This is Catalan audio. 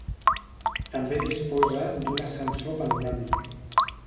També disposa d'un ascensor panoràmic.